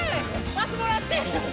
パスもらって！